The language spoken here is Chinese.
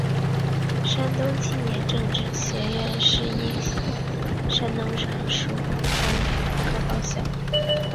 山东青年政治学院是一所山东省属普通本科高校。